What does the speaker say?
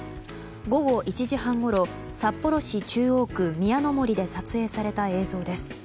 午後１時半ごろ札幌市中央区宮の森で撮影された映像です。